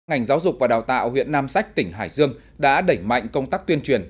ngành giáo dục và đào tạo huyện nam sách tỉnh hải dương đã đẩy mạnh công tác tuyên truyền